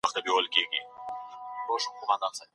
ليکنه د زده کوونکي له خوا کيږي.